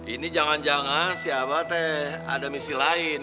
ini jangan jangan siapa teh ada misi lain